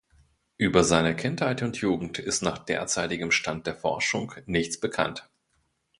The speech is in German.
Über seine Kindheit und Jugend ist nach derzeitigem Stand der Forschung nichts bekannt.